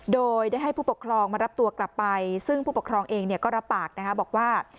โดยได้ให้ผู้ปกครองมารับตัวกลับไปซึ่งผู้ปกครองเองก็รับปากบอกว่า